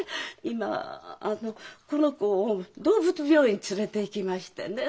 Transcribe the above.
今あのこの子を動物病院連れていきましてね